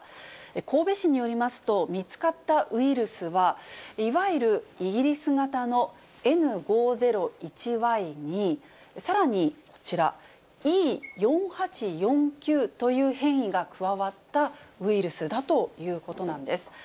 神戸市によりますと、見つかったウイルスは、いわゆるイギリス型のＮ５０１Ｙに、さらにこちら、Ｅ４８４Ｑという変異が加わったウイルスだということなんです。